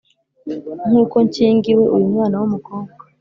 nk'uko nshyingiwe, uyu mwana w'umukobwa